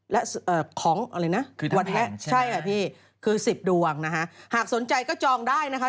และของอะไรนะวันแรกคือ๑๐ดวงหากสนใจก็จองได้นะคะ